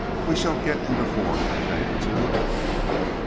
"We shall get into form in a day or two.